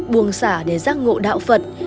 buông xả để giác ngộ đạo phật